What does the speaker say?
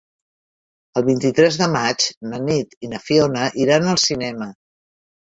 El vint-i-tres de maig na Nit i na Fiona iran al cinema.